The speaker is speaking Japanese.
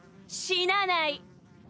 死なない。